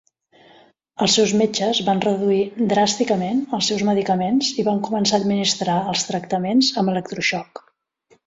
Els seus metges van reduir dràsticament els seus medicaments i va començar a administrar els tractaments amb ELECTROSHOCK.